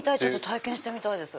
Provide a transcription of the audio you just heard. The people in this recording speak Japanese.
体験してみたいです。